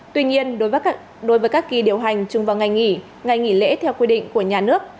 tuy nhiên đối với các kỳ điều hành chung vào ngày nghỉ ngày nghỉ lễ theo quy định của nhà nước